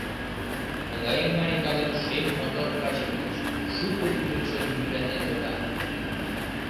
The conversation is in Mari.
Тыгайым марий калык шем мотор каче манеш, шуко ӱдыр чоным йӱлатен докан.